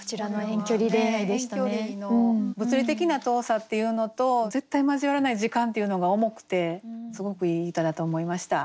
遠距離の物理的な遠さっていうのと絶対交わらない時間っていうのが重くてすごくいい歌だと思いました。